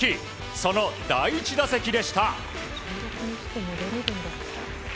その第１打席でした。